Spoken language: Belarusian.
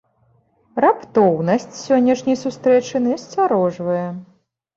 Раптоўнасць сённяшняй сустрэчы насцярожвае.